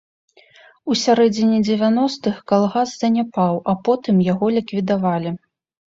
У сярэдзіне дзевяностых калгас заняпаў, а потым яго ліквідавалі.